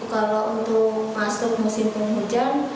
kalau untuk masuk musim penghujan